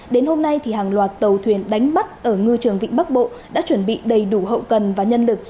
đến hôm nay hàng loạt tàu thuyền đánh bắt ở ngư trường vịnh bắc bộ đã chuẩn bị đầy đủ hậu cần và nhân lực